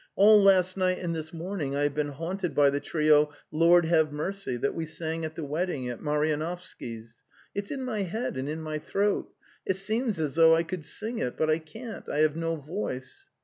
All last night and this morning I have been haunted by the trio 'Lord, have Mercy' that we sang at the wedding at Marionovsky's. It's in my head and in my throat. It seems as though I could sing it, but I can't; I have no voice."